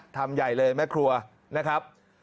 ทำใหญ่เลยแม่ครัวนะครับ